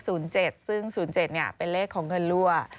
ซึ่ง๐๗เป็นเลขของเงินรั่ว